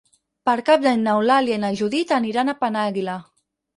Per Cap d'Any n'Eulàlia i na Judit aniran a Penàguila.